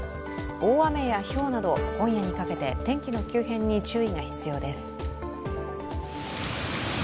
大雨やひょうなど、今夜にかけて天気の急変に注意が必要です。